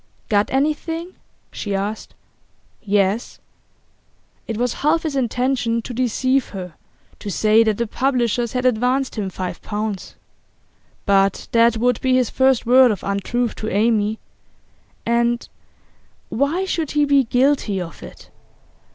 'Got anything?' she asked. 'Yes.' It was half his intention to deceive her, to say that the publishers had advanced him five pounds. But that would be his first word of untruth to Amy, and why should he be guilty of it?